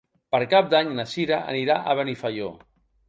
Per Cap d'Any na Cira anirà a Benifaió.